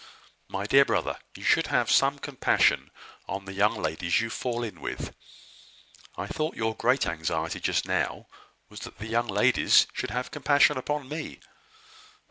My dear brother, you should have some compassion on the young ladies you fall in with." "I thought your great anxiety just now was that the young ladies should have compassion upon me."